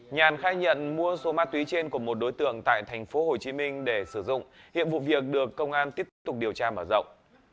nhàn khai nhận mua số ma túy trên của một đối tượng tại thành phố hồ chí minh để sử dụng hiệp vụ việc được công an tiếp tục điều tra mở rộng